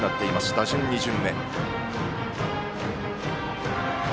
打順２巡目。